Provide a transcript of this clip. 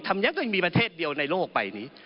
ยังไม่มีประเทศเดียวในโลกใบนี้